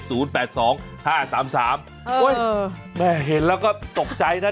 แม่เห็นแล้วก็ตกใจนะ